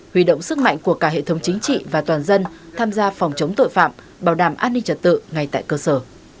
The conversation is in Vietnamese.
huy động sức mạnh của cả hệ thống chính trị và toàn dân tham gia phòng chống tội phạm bảo đảm an ninh trật tự ngay tại cơ sở